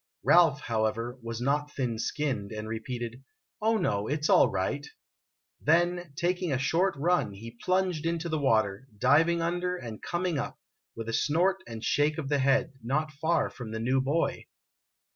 Ralph, however, was not thin skinned, and repeated, " Oh, no ; it 's all right !' Then, taking a short run, he plunged into the water, diving under and coming up, with a snort and shake of the head, not far from the new boy.